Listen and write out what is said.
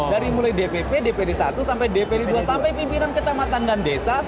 dari mulai dpp dpd satu sampai dpd dua sampai pimpinan kecamatan dan desa